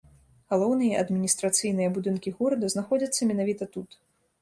Галоўныя адміністрацыйныя будынкі горада знаходзяцца менавіта тут.